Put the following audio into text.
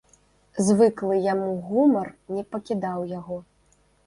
Звыклы яму гумар не пакідаў яго.